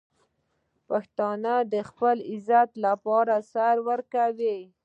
پښتون د خپل عزت لپاره سر ورکوي.